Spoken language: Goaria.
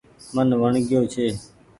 من وڻگيو ڇي۔